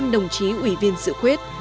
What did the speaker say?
hai mươi năm đồng chí ủy viên sự khuyết